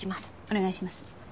お願いします。